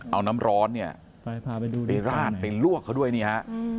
เอาน้ำร้อนเนี่ยไปราดไปลวกเขาด้วยนี่ฮะ